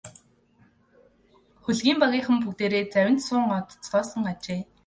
Хөлгийн багийнхан бүгдээрээ завинд суун одоцгоосон ажээ.